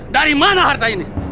dari mana harta ini